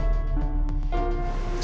untuk mencari ricky